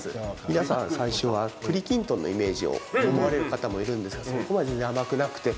皆さん最初は栗きんとんのイメージを思われる方もいるんですけどそこまで甘くなくて。